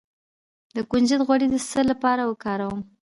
د کنجد غوړي د څه لپاره وکاروم؟